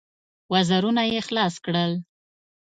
وزرونه يې خلاص کړل.